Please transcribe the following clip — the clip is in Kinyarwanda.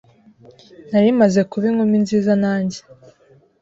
Nari maze kuba inkumi nziza nanjye